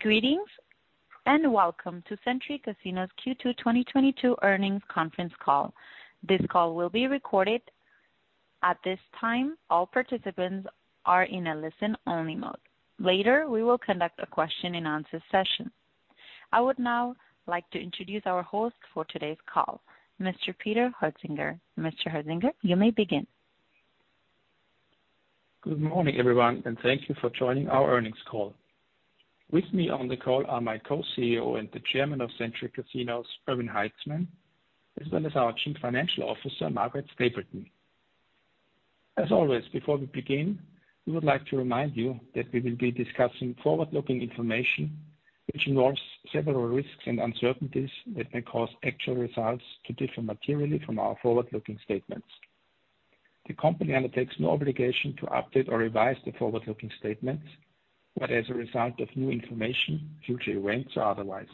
Greetings and welcome to Century Casinos Q2 2022 earnings conference call. This call will be recorded. At this time, all participants are in a listen-only mode. Later, we will conduct a question-and-answer session. I would now like to introduce our host for today's call, Mr. Peter Hoetzinger. Mr. Hoetzinger, you may begin. Good morning, everyone, and thank you for joining our earnings call. With me on the call are my Co-CEO and the Chairman of Century Casinos, Erwin Haitzmann, as well as our Chief Financial Officer, Margaret Stapleton. As always, before we begin, we would like to remind you that we will be discussing forward-looking information which involves several risks and uncertainties that may cause actual results to differ materially from our forward-looking statements. The company undertakes no obligation to update or revise the forward-looking statements, whether as a result of new information, future events, or otherwise.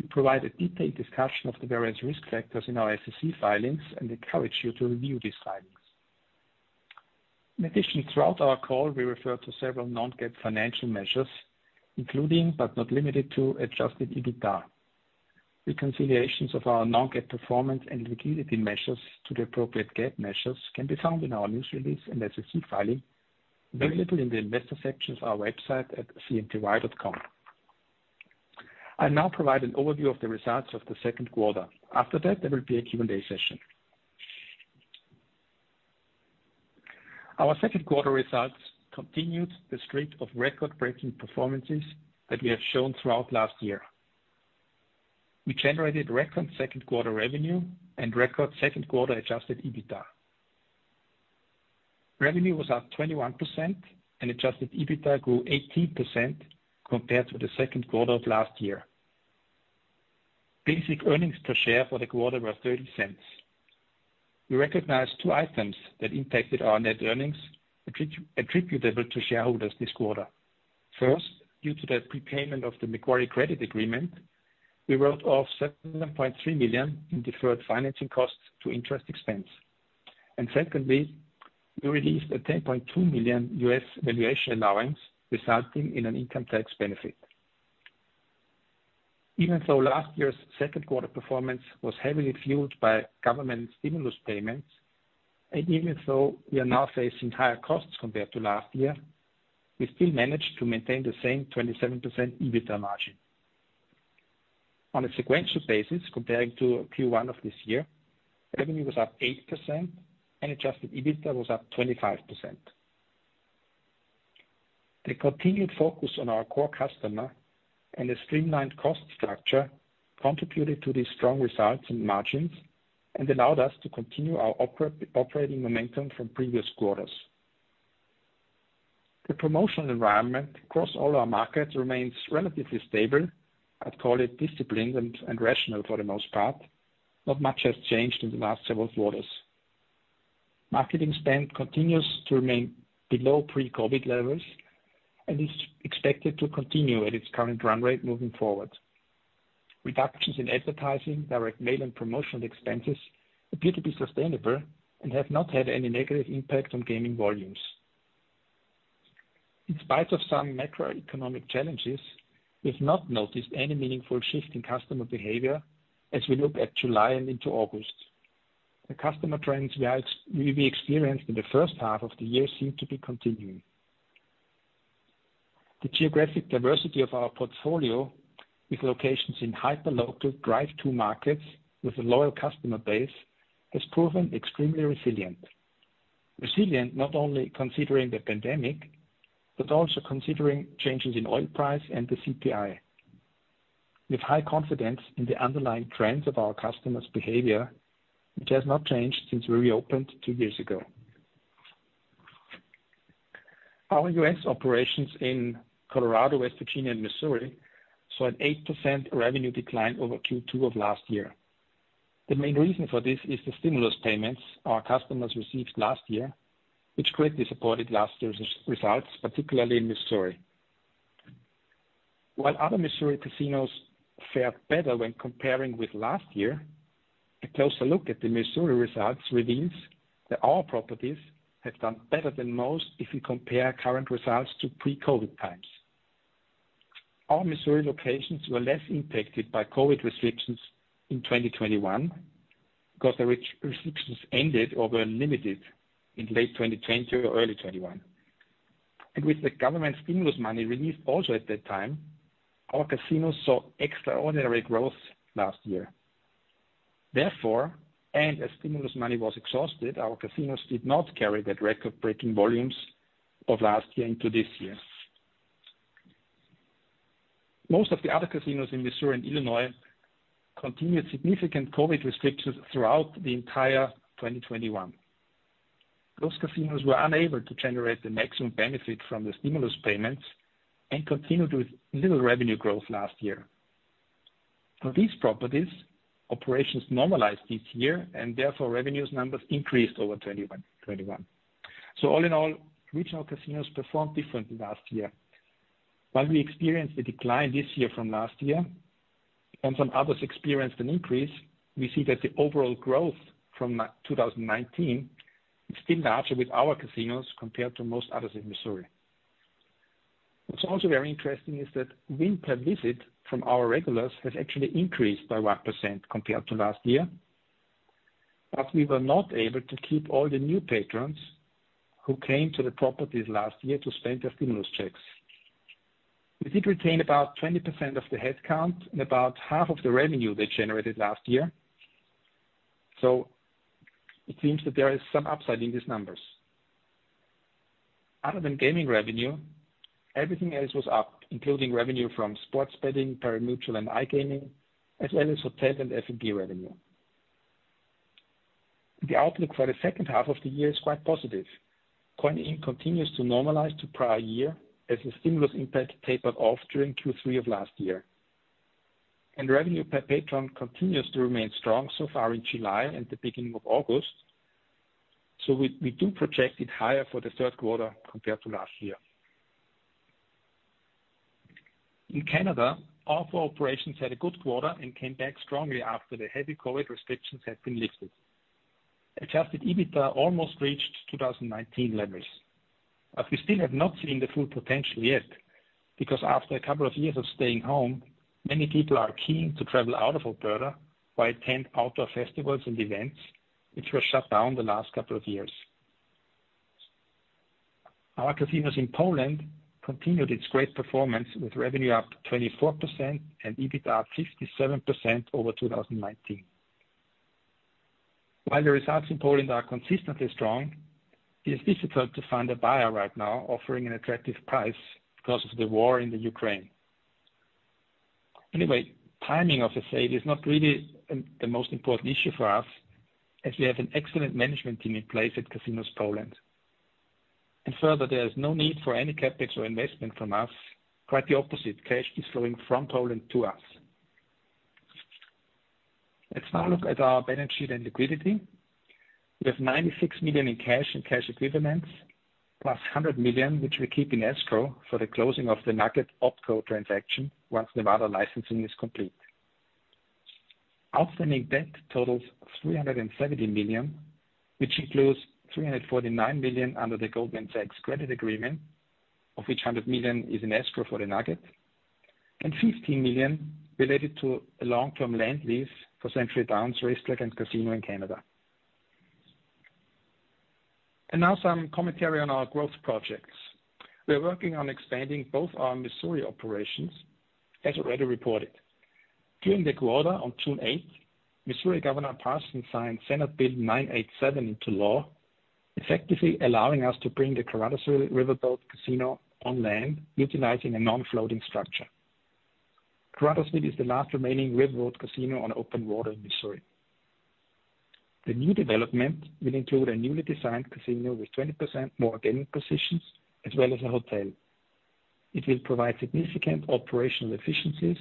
We provide a detailed discussion of the various risk factors in our SEC filings and encourage you to review these filings. In addition, throughout our call, we refer to several non-GAAP financial measures, including, but not limited to Adjusted EBITDA. Reconciliations of our non-GAAP performance and liquidity measures to the appropriate GAAP measures can be found in our news release and SEC filing available in the investor sections of our website at cnty.com. I'll now provide an overview of the results of the second quarter. After that, there will be a Q&A session. Our second quarter results continued the streak of record-breaking performances that we have shown throughout last year. We generated record second quarter revenue and record second quarter adjusted EBITDA. Revenue was up 21% and adjusted EBITDA grew 18% compared to the second quarter of last year. Basic earnings per share for the quarter were $0.30. We recognized two items that impacted our net earnings attributable to shareholders this quarter. First, due to the prepayment of the Macquarie credit agreement, we wrote off $7.3 million in deferred financing costs to interest expense. Secondly, we released a $10.2 million valuation allowance, resulting in an income tax benefit. Even so, last year's second quarter performance was heavily fueled by government stimulus payments, and even so, we are now facing higher costs compared to last year, we still managed to maintain the same 27% EBITDA margin. On a sequential basis, comparing to Q1 of this year, revenue was up 8% and adjusted EBITDA was up 25%. The continued focus on our core customer and a streamlined cost structure contributed to these strong results and margins and allowed us to continue our operating momentum from previous quarters. The promotional environment across all our markets remains relatively stable. I'd call it disciplined and rational for the most part. Not much has changed in the last several quarters. Marketing spend continues to remain below pre-COVID levels and is expected to continue at its current run rate moving forward. Reductions in advertising, direct mail, and promotional expenses appear to be sustainable and have not had any negative impact on gaming volumes. In spite of some macroeconomic challenges, we've not noticed any meaningful shift in customer behavior as we look at July and into August. The customer trends we've experienced in the first half of the year seem to be continuing. The geographic diversity of our portfolio with locations in hyperlocal drive-to markets with a loyal customer base has proven extremely resilient. Resilient, not only considering the pandemic, but also considering changes in oil price and the CPI. With high confidence in the underlying trends of our customers' behavior, which has not changed since we reopened two years ago. Our U.S. operations in Colorado, West Virginia, and Missouri saw an 8% revenue decline over Q2 of last year. The main reason for this is the stimulus payments our customers received last year, which greatly supported last year's results, particularly in Missouri. While other Missouri casinos fared better when comparing with last year, a closer look at the Missouri results reveals that our properties have done better than most if you compare current results to pre-COVID times. Our Missouri locations were less impacted by COVID restrictions in 2021 because the restrictions ended or were limited in late 2020 or early 2021. With the government stimulus money released also at that time, our casinos saw extraordinary growth last year. Therefore, as stimulus money was exhausted, our casinos did not carry that record-breaking volumes of last year into this year. Most of the other casinos in Missouri and Illinois continued significant COVID restrictions throughout the entire 2021. Those casinos were unable to generate the maximum benefit from the stimulus payments and continued with little revenue growth last year. For these properties, operations normalized this year, and therefore revenue numbers increased over 2021. All in all, regional casinos performed differently last year. While we experienced a decline this year from last year and some others experienced an increase. We see that the overall growth from 2019 is still larger with our casinos compared to most others in Missouri. What's also very interesting is that win per visit from our regulars has actually increased by 1% compared to last year. We were not able to keep all the new patrons who came to the properties last year to spend their stimulus checks. We did retain about 20% of the headcount and about half of the revenue they generated last year. It seems that there is some upside in these numbers. Other than gaming revenue, everything else was up, including revenue from sports betting, pari-mutuel, and iGaming, as well as hotel and F&B revenue. The outlook for the second half of the year is quite positive. Coin-in continues to normalize to prior year as the stimulus impact tapered off during Q3 of last year. Revenue per patron continues to remain strong so far in July and the beginning of August. We do project it higher for the third quarter compared to last year. In Canada, all four operations had a good quarter and came back strongly after the heavy COVID restrictions had been lifted. Adjusted EBITDA almost reached 2019 levels, but we still have not seen the full potential yet, because after a couple of years of staying home, many people are keen to travel out of Alberta, while attend outdoor festivals and events which were shut down the last couple of years. Our casinos in Poland continued its great performance, with revenue up 24% and EBITDA up 57% over 2019. While the results in Poland are consistently strong, it is difficult to find a buyer right now offering an attractive price because of the war in the Ukraine. Anyway, timing of the sale is not really the most important issue for us, as we have an excellent management team in place at Casinos Poland. Further, there is no need for any CapEx or investment from us. Quite the opposite, cash is flowing from Poland to us. Let's now look at our balance sheet and liquidity. We have $96 million in cash and cash equivalents, plus $100 million, which we keep in escrow for the closing of the Nugget OpCo transaction once Nevada licensing is complete. Outstanding debt totals $370 million, which includes $349 million under the Goldman Sachs credit agreement, of which $100 million is in escrow for the Nugget, and $15 million related to a long-term land lease for Century Downs Racetrack & Casino in Canada. Now some commentary on our growth projects. We are working on expanding both our Missouri operations, as already reported. During the quarter, on June 8, Governor Parson signed Senate Bill 987 into law, effectively allowing us to bring the Caruthersville riverboat casino on land, utilizing a non-floating structure. Caruthersville is the last remaining riverboat casino on open water in Missouri. The new development will include a newly designed casino with 20% more gaming positions, as well as a hotel. It will provide significant operational efficiencies.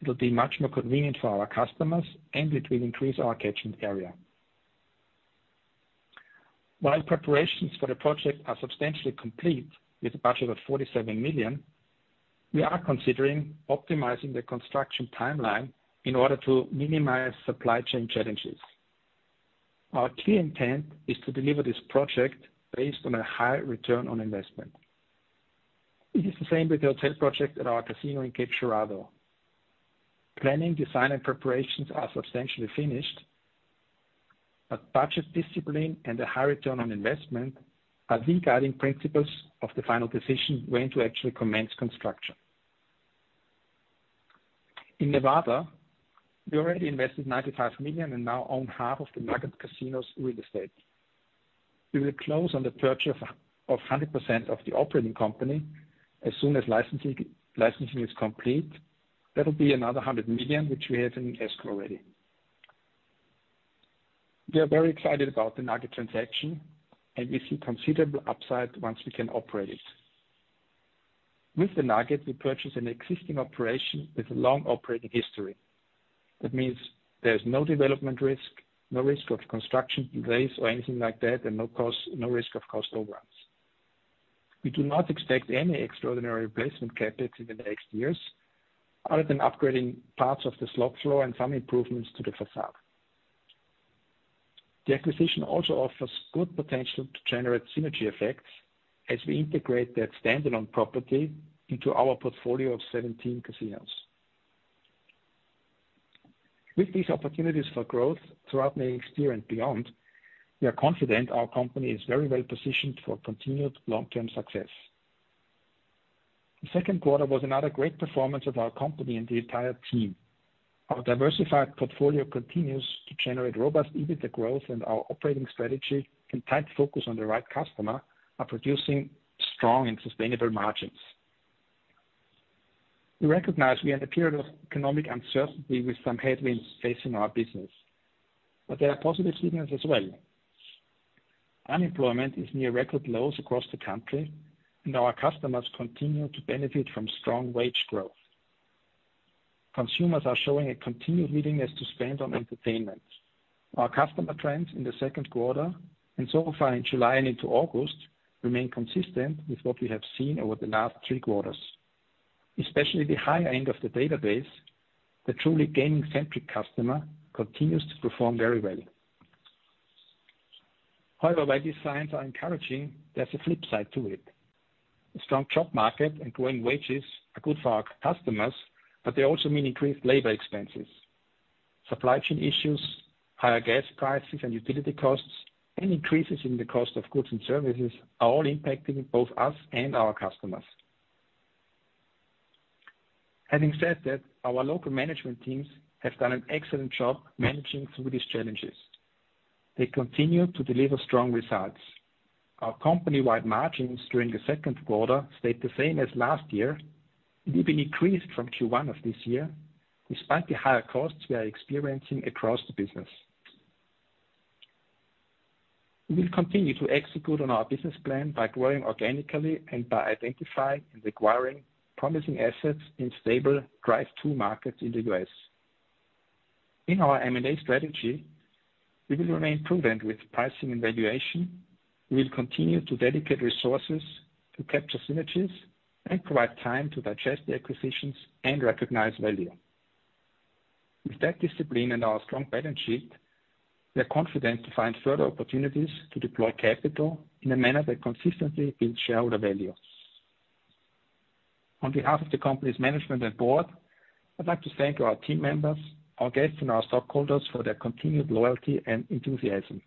It'll be much more convenient for our customers, and it will increase our catchment area. While preparations for the project are substantially complete with a budget of $47 million, we are considering optimizing the construction timeline in order to minimize supply chain challenges. Our clear intent is to deliver this project based on a high return on investment. It is the same with the hotel project at our casino in Cape Girardeau. Planning, design, and preparations are substantially finished, but budget discipline and a high return on investment are the guiding principles of the final decision when to actually commence construction. In Nevada, we already invested $95 million and now own half of the Nugget Casino Resort's real estate. We will close on the purchase of 100% of the operating company as soon as licensing is complete. That'll be another $100 million, which we have in escrow already. We are very excited about the Nugget transaction, and we see considerable upside once we can operate it. With the Nugget, we purchased an existing operation with a long operating history. That means there's no development risk, no risk of construction delays or anything like that, and no risk of cost overruns. We do not expect any extraordinary replacement CapEx in the next years, other than upgrading parts of the slot floor and some improvements to the facade. The acquisition also offers good potential to generate synergy effects as we integrate the standalone property into our portfolio of 17 casinos. With these opportunities for growth throughout the next year and beyond, we are confident our company is very well-positioned for continued long-term success. The second quarter was another great performance of our company and the entire team. Our diversified portfolio continues to generate robust EBITDA growth, and our operating strategy and tight focus on the right customer are producing strong and sustainable margins. We recognize we are in a period of economic uncertainty with some headwinds facing our business, but there are positive signals as well. Unemployment is near record lows across the country, and our customers continue to benefit from strong wage growth. Consumers are showing a continued willingness to spend on entertainment. Our customer trends in the second quarter and so far in July and into August remain consistent with what we have seen over the last three quarters. Especially the high end of the database, the truly gaming-centric customer continues to perform very well. However, while these signs are encouraging, there's a flip side to it. A strong job market and growing wages are good for our customers, but they also mean increased labor expenses. Supply chain issues, higher gas prices and utility costs, and increases in the cost of goods and services are all impacting both us and our customers. Having said that, our local management teams have done an excellent job managing through these challenges. They continue to deliver strong results. Our company-wide margins during the second quarter stayed the same as last year, even increased from Q1 of this year, despite the higher costs we are experiencing across the business. We will continue to execute on our business plan by growing organically and by identifying and acquiring promising assets in stable drive-to markets in the U.S. In our M&A strategy, we will remain prudent with pricing and valuation. We will continue to dedicate resources to capture synergies and provide time to digest the acquisitions and recognize value. With that discipline and our strong balance sheet, we are confident to find further opportunities to deploy capital in a manner that consistently builds shareholder value. On behalf of the company's management and board, I'd like to thank our team members, our guests, and our stockholders for their continued loyalty and enthusiasm.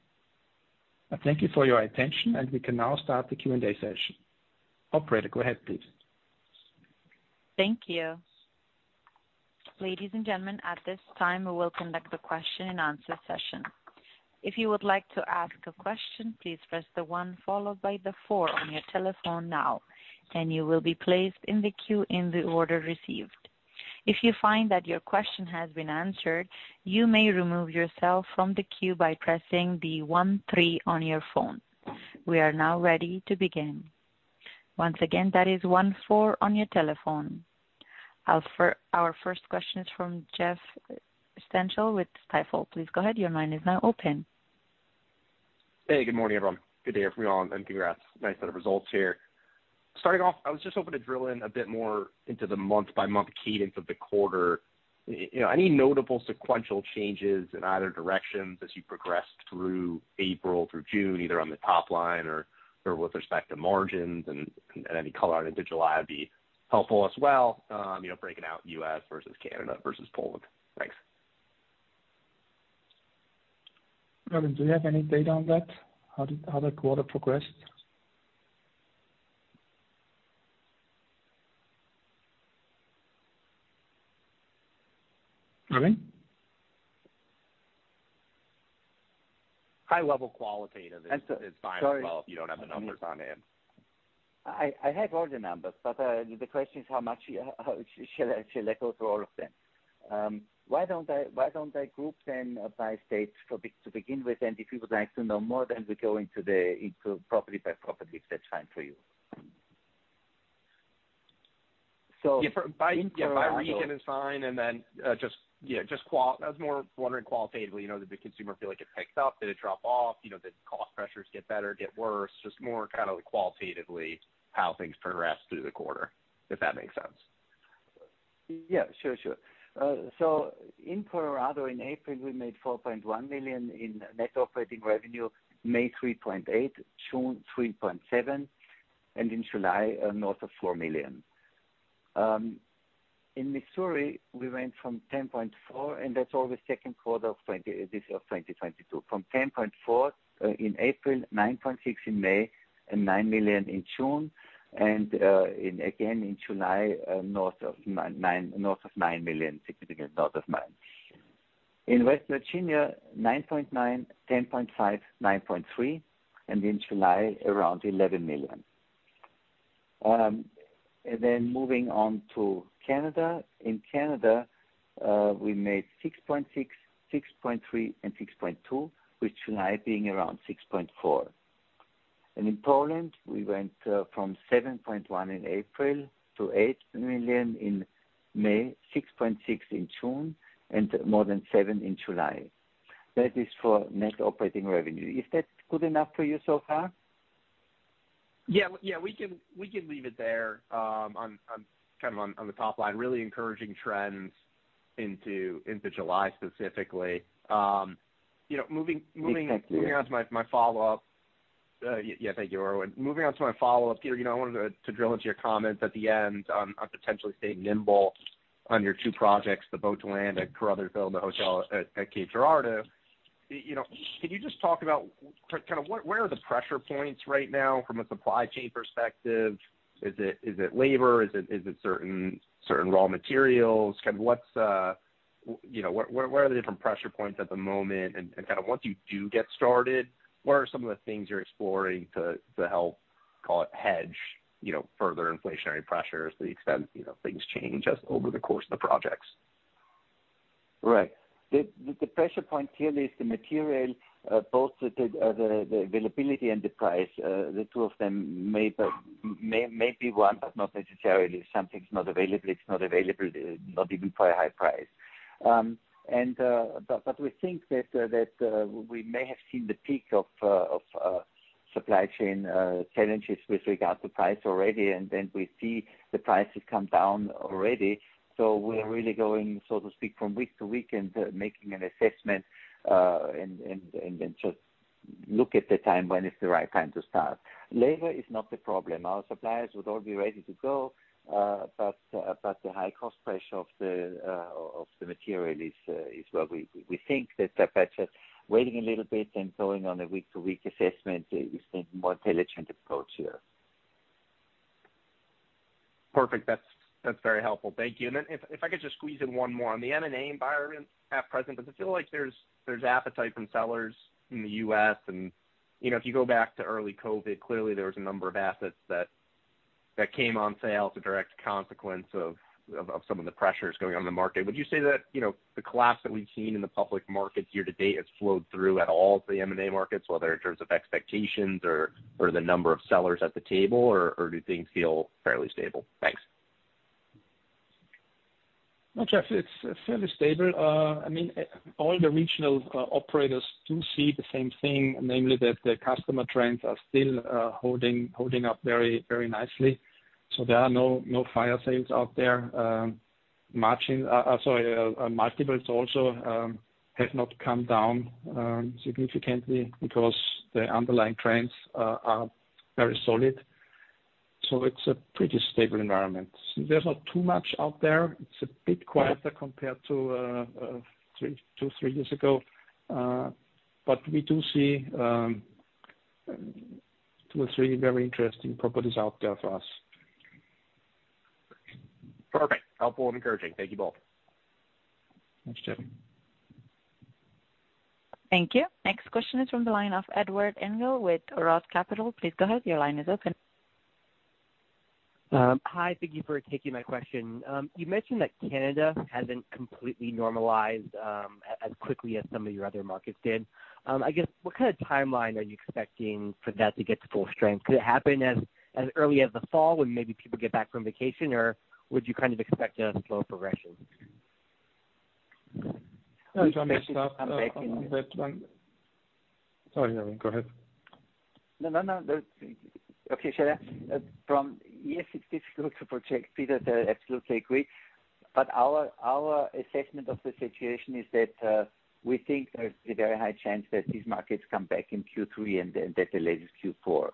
I thank you for your attention, and we can now start the Q&A session. Operator, go ahead please. Thank you. Ladies and gentlemen, at this time, we will conduct the question and answer session. If you would like to ask a question, please press the one followed by the four on your telephone now, and you will be placed in the queue in the order received. If you find that your question has been answered, you may remove yourself from the queue by pressing the one three on your phone. We are now ready to begin. Once again, that is one four on your telephone. Our first question is from Jeffrey Stantial with Stifel. Please go ahead. Your line is now open. Hey, good morning, everyone. Good day, everyone, and congrats. Nice set of results here. Starting off, I was just hoping to drill in a bit more into the month-by-month cadence of the quarter. You know, any notable sequential changes in either direction as you progressed through April through June, either on the top line or with respect to margins, and any color on into July would be helpful as well, you know, breaking out U.S. versus Canada versus Poland. Thanks. Erwin, do you have any data on that? How the quarter progressed? Erwin? High-level qualitative. And so- is fine as well if you don't have the numbers on hand. I have all the numbers, but the question is how much shall I go through all of them? Why don't I group them by state to begin with, and if you would like to know more, then we go into the property by property, if that's fine for you. Yeah, by region is fine, and then just, yeah, I was more wondering qualitatively, you know, did the consumer feel like it picked up? Did it drop off? You know, did cost pressures get better, get worse? Just more kinda like qualitatively how things progressed through the quarter, if that makes sense. Yeah. Sure, sure. In Colorado in April, we made $4.1 million in net operating revenue. May, $3.8 million. June, $3.7 million. In July, north of $4 million. In Missouri, we went from $10.4 million, and that's all the second quarter of this year of 2022. From $10.4 million in April, $9.6 million in May, and $9 million in June, and in July, north of nine million, significantly north of $9 million. In West Virginia, $9.9 million, $10.5 million, $9.3 million, and in July, around $11 million. Moving on to Canada. In Canada, we made $6.6 million, $6.3 million, and $6.2 million, with July being around $6.4 million. In Poland, we went from 7.1 million in April to 8 million in May, 6.6 million in June, and more than 7 million in July. That is for net operating revenue. Is that good enough for you so far? Yeah. Yeah, we can leave it there on kind of the top line, really encouraging trends into July specifically. You know, moving. Thank you. Moving on to my follow-up. Yeah, thank you, Erwin. Moving on to my follow-up here, you know, I wanted to drill into your comments at the end on potentially staying nimble on your two projects, the Boat to Land at Caruthersville and the hotel at Cape Girardeau. You know, can you just talk about kinda what, where are the pressure points right now from a supply chain perspective? Is it labor? Is it certain raw materials? Kind of what's you know, what are the different pressure points at the moment? And kind of once you do get started, what are some of the things you're exploring to help, call it, hedge, you know, further inflationary pressures to the extent, you know, things change as over the course of the projects? Right. The pressure point clearly is the material, both the availability and the price. The two of them may be one, but not necessarily. If something's not available, it's not available, not even for a high price. We think that we may have seen the peak of supply chain challenges with regard to price already. Then we see the prices come down already. We're really going, so to speak, from week to week and making an assessment and just look at the time when it's the right time to start. Labor is not the problem. Our suppliers would all be ready to go. The high cost pressure of the material is what we think that that's just waiting a little bit and going on a week-to-week assessment is, we think, more intelligent approach here. Perfect. That's very helpful. Thank you. If I could just squeeze in one more on the M&A environment at present. Does it feel like there's appetite from sellers in the U.S.? You know, if you go back to early COVID, clearly there was a number of assets that came on sale as a direct consequence of some of the pressures going on in the market. Would you say that, you know, the collapse that we've seen in the public market year to date has flowed through at all to the M&A markets, whether in terms of expectations or the number of sellers at the table, or do things feel fairly stable? Thanks. No, Jeff, it's fairly stable. I mean, all the regional operators do see the same thing, namely that the customer trends are still holding up very, very nicely. There are no fire sales out there. Multiples also have not come down significantly because the underlying trends are very solid. It's a pretty stable environment. There's not too much out there. It's a bit quieter compared to two or three years ago. But we do see two or three very interesting properties out there for us. Perfect. Helpful and encouraging. Thank you both. Thanks, Jeff. Thank you. Next question is from the line of Edward Engel with Roth Capital. Please go ahead. Your line is open. Hi. Thank you for taking my question. You mentioned that Canada hasn't completely normalized, as quickly as some of your other markets did. I guess, what kind of timeline are you expecting for that to get to full strength? Could it happen as early as the fall when maybe people get back from vacation, or would you kind of expect a slow progression? Yeah, if I may start. Come back in. Sorry, Erwin. Go ahead. No, no. Okay, shall I? Yes, it's difficult to project, Peter. Absolutely agree. Our assessment of the situation is that we think there's a very high chance that these markets come back in Q3 and then at the latest Q4.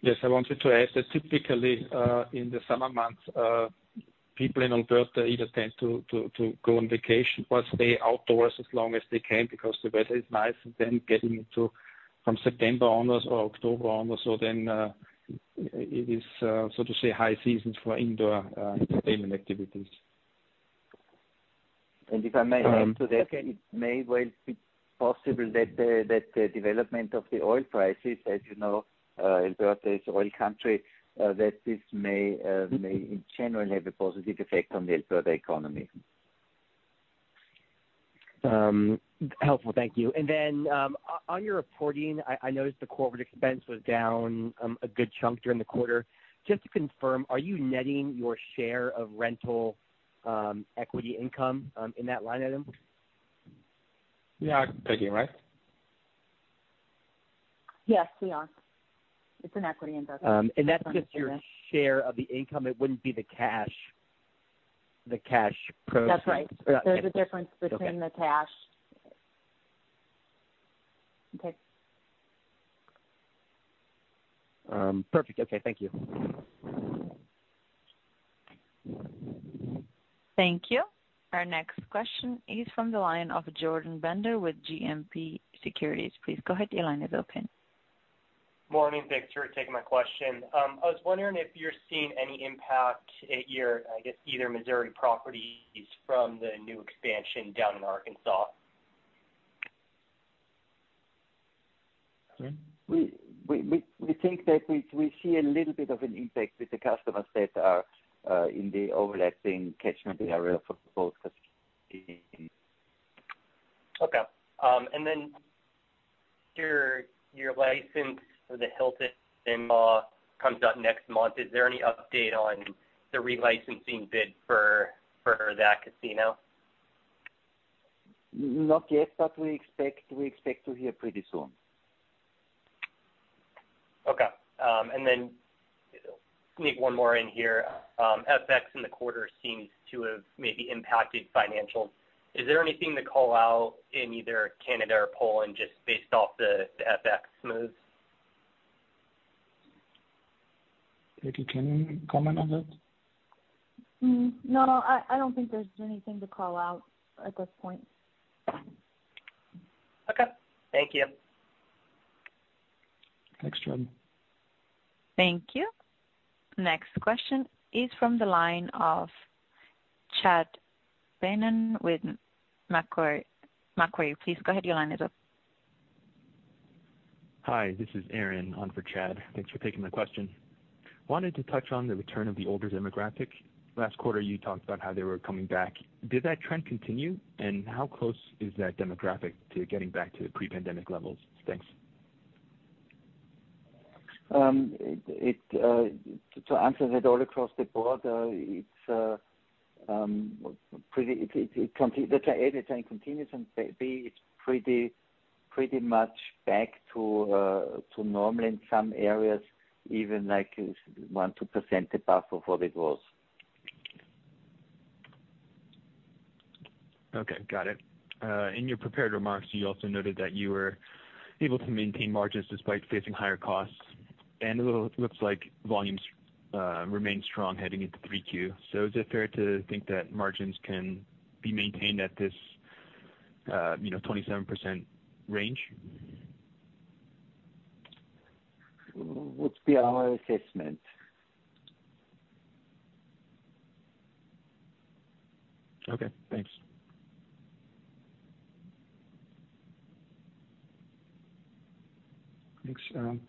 Yes, I wanted to add that typically, in the summer months, people in Alberta either tend to go on vacation or stay outdoors as long as they can because the weather is nice. Getting into from September onwards or October onwards, so then, it is, so to say, high seasons for indoor entertainment activities. If I may add to that, it may well be possible that the development of the oil prices, as you know, Alberta is oil country, that this may in general have a positive effect on the Alberta economy. Helpful. Thank you. On your reporting, I noticed the corporate expense was down a good chunk during the quarter. Just to confirm, are you netting your share of rental equity income in that line item? Yeah. Peggy, right? Yes, we are. It's an equity investment. That's just your share of the income? It wouldn't be the cash portion. That's right. Okay. There's a difference between the cash. Okay. Perfect. Okay. Thank you. Thank you. Our next question is from the line of Jordan Bender with JMP Securities. Please go ahead. Your line is open. Morning. Thanks for taking my question. I was wondering if you're seeing any impact at your, I guess, either Missouri properties from the new expansion down in Arkansas. Mm-hmm. We think that we see a little bit of an impact with the customers that are in the overlapping catchment area for both casinos. Okay. Your license for the Hilton Lac-Leamy comes out next month. Is there any update on the relicensing bid for that casino? Not yet, but we expect to hear pretty soon. Okay. Sneak one more in here. FX in the quarter seems to have maybe impacted financials. Is there anything to call out in either Canada or Poland just based off the FX moves? Peggy, can you comment on that? No, I don't think there's anything to call out at this point. Okay. Thank you. Thanks, Jordan. Thank you. Next question is from the line of Chad Beynon with Macquarie. Please go ahead. Your line is open. Hi, this is Aaron on for Chad. Thanks for taking my question. Wanted to touch on the return of the older demographic. Last quarter, you talked about how they were coming back. Did that trend continue, and how close is that demographic to getting back to pre-pandemic levels? Thanks. To answer that all across the board, A, it continues, and B, it's pretty much back to normal in some areas, even like 1%-2% above what it was. Okay, got it. In your prepared remarks, you also noted that you were able to maintain margins despite facing higher costs. It looks like volumes remained strong heading into 3Q. Is it fair to think that margins can be maintained at this, you know, 27% range? Would be our assessment. Okay, thanks. Thanks, Aaron.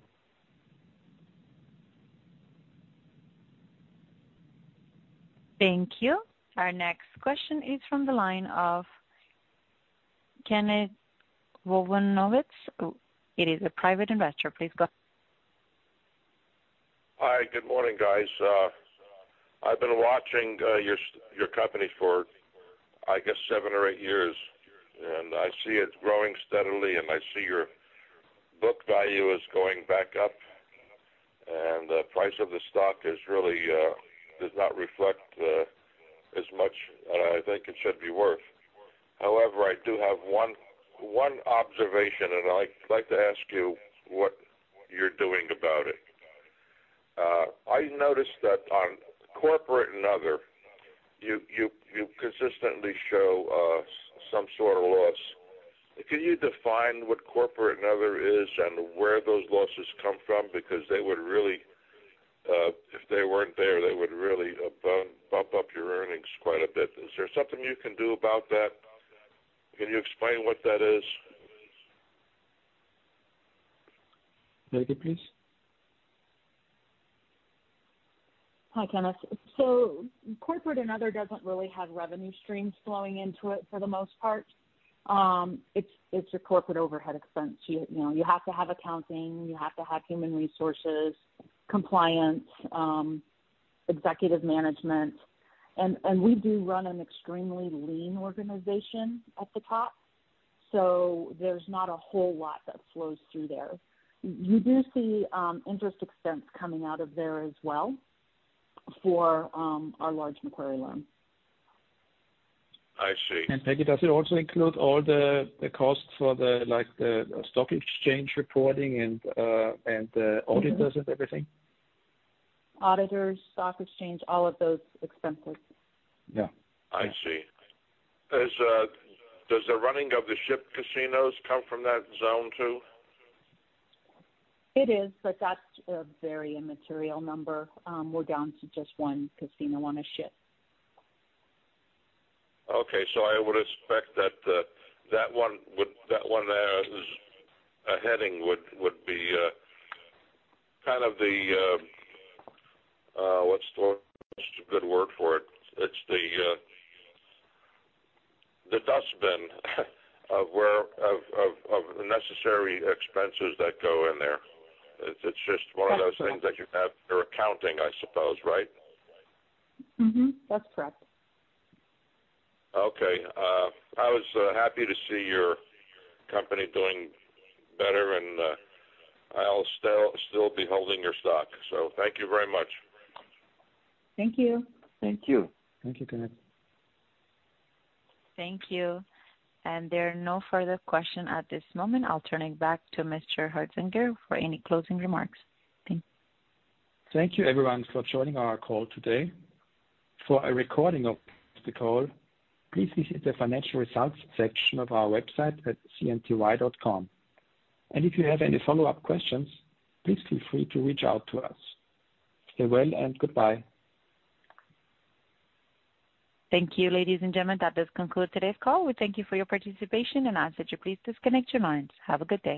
Thank you. Our next question is from the line of Kenneth Wolvenowitz. It is a private investor. Please go. Hi. Good morning, guys. I've been watching your company for, I guess, 7 or 8 years, and I see it growing steadily, and I see your book value is going back up, and the price of the stock really does not reflect as much as I think it should be worth. However, I do have one observation, and I'd like to ask you what you're doing about it. I noticed that on corporate and other, you consistently show some sort of loss. Can you define what corporate and other is and where those losses come from? Because they would really, if they weren't there, they would really bump up your earnings quite a bit. Is there something you can do about that? Can you explain what that is? Peggy, please. Hi, Kenneth. Corporate and other doesn't really have revenue streams flowing into it for the most part. It's your corporate overhead expense. You know, you have to have accounting, you have to have human resources, compliance, executive management. We do run an extremely lean organization at the top, so there's not a whole lot that flows through there. You do see interest expense coming out of there as well for our Macquarie loan. I see. Peggy, does it also include all the costs for the, like, the stock exchange reporting and the auditors and everything? Auditors, stock exchange, all of those expenses. Yeah. I see. Does the running of the ship casinos come from that zone too? It is, but that's a very immaterial number. We're down to just one casino on a ship. Okay. I would expect that one is a heading would be kind of the, what's the good word for it? It's the dustbin where necessary expenses that go in there. It's just one of those things that you have for accounting, I suppose, right? Mm-hmm. That's correct. Okay. I was happy to see your company doing better and I'll still be holding your stock. Thank you very much. Thank you. Thank you. Thank you, Kenneth. Thank you. There are no further questions at this moment. I'll turn it back to Mr. Hoetzinger for any closing remarks. Thanks. Thank you everyone for joining our call today. For a recording of the call, please visit the financial results section of our website at cnty.com. If you have any follow-up questions, please feel free to reach out to us. Stay well, and goodbye. Thank you, ladies and gentlemen. That does conclude today's call. We thank you for your participation and ask that you please disconnect your lines. Have a good day.